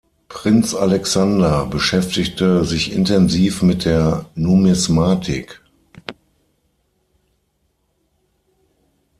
Prinz Alexander beschäftigte sich intensiv mit der Numismatik.